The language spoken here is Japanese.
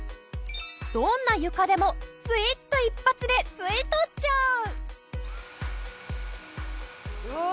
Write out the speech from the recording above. どんな床でもスイッと一発で吸い取っちゃう！